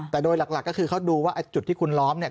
แต่โดยหลักก็คือเขาดูว่าจุดที่คุณล้อมเนี่ย